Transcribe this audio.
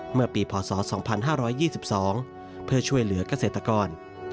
เมื่อปีพศ๒๕๒๒เพื่อช่วยเหลือกเกษตรกร